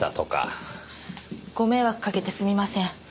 ご迷惑かけてすみません。